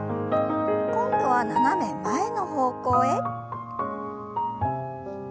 今度は斜め前の方向へ。